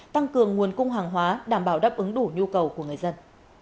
tăng cường nguồn cung hàng hóa đảm bảo đáp ứng đủ nhu cầu của người dân